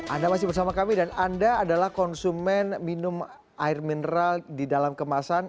anda masih bersama kami dan anda adalah konsumen minum air mineral di dalam kemasan